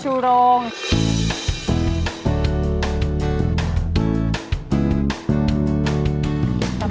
เมนูเกงหอยกั้นกับยอดเป้งค่ะ